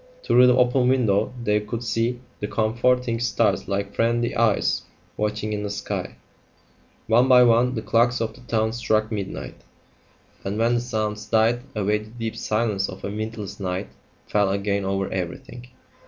Through the open window they could see the comforting stars like friendly eyes watching in the sky. One by one the clocks of the town struck midnight, and when the sounds died away the deep silence of a windless night fell again over everything.